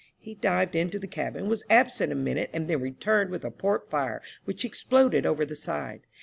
He dived into the cabin, was absent a minute, and then returned with a port fire, which he exploded over the side.